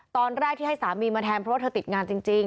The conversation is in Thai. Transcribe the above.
ตอนแรกที่ให้สามีมาแทนเพราะว่าเธอติดงานจริง